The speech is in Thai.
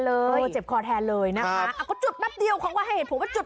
เลยเจ็บคอแทนเลยนะครับจุดแป๊บเตียวของวาเศสผมก็จุด